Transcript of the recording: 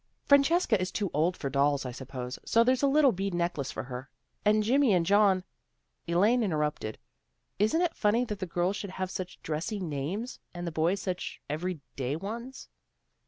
Francesca is too old for dolls, I suppose, so there's a little bead necklace for her. And Jimmy and John " Elaine interrupted. " Isn't it funny that the girls should have such dressy names, and the boys such every day ones?